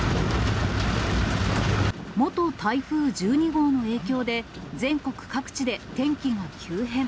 元台風１２号の影響で、全国各地で天気が急変。